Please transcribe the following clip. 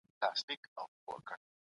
په احساس اړوي سـترګـي